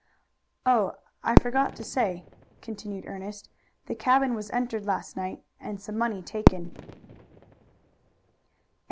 "Oh, I forgot to say," continued Ernest, "the cabin was entered last night and some money taken."